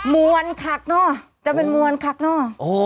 มวลขักเนอะจะเป็นมวลขักเนอะ